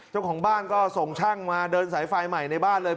เจ้าของบ้านก็ส่งช่างมาเดินสายไฟใหม่ในบ้านเลย